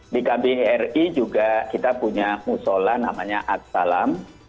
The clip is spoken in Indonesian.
di kbri juga kita punya musola namanya at salam